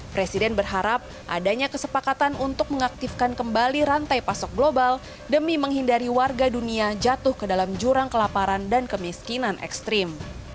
presiden berharap adanya kesepakatan untuk mengaktifkan kembali rantai pasok global demi menghindari warga dunia jatuh ke dalam jurang kelaparan dan kemiskinan ekstrim